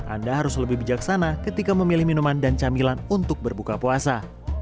anda harus lebih bijaksana ketika memilih minuman dan camilan untuk berbuka puasa